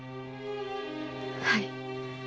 はい。